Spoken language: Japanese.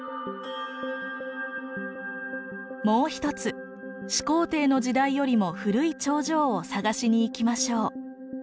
もう一つ始皇帝の時代よりも古い長城を探しに行きましょう。